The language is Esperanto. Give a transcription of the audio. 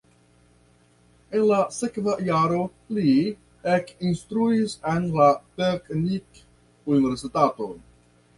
En la sekva jaro li ekinstruis en la Teknikuniversitato.